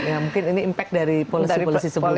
ya mungkin ini impact dari polisi polisi sebelumnya